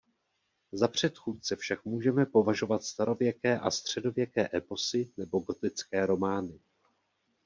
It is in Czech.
Za předchůdce však můžeme považovat starověké a středověké eposy nebo gotické romány.